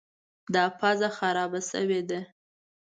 دا پزه خرابه شوې ده.